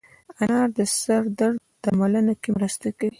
انار د سر درملنه کې مرسته کوي.